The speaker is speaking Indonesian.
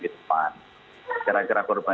di depan kira kira korban